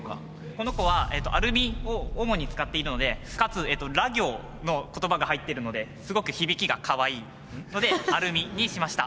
この子はアルミを主に使っているのでかつら行の言葉が入っているのですごく響きがかわいいので「あるみ」にしました。